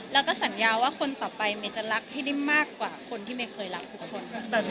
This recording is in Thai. แล้วก็สัญญาว่าคนต่อไปเมย์จะรักให้ได้มากกว่าคนที่เมย์เคยรักทุกคน